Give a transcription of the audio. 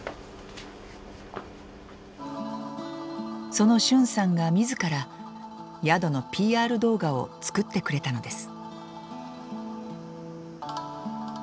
その駿さんが自ら宿のＰＲ動画を作ってくれたのです。